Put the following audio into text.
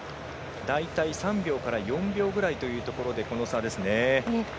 大体３秒から４秒ぐらいというところでこの差。